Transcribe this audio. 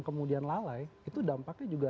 kemudian lalai itu dampaknya juga